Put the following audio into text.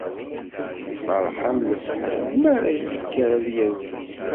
Iferreḥ am lefḥel mi ara yekker ad yazzel.